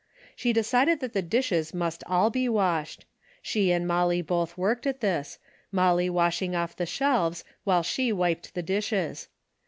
She decided that the dishes must all be washed. She and Molly both worked at this, Molly washing off the shelves while she wiped the dishes.